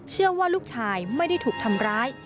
เชื่อว่าลูกชายไม่ได้ถูกทำร้าย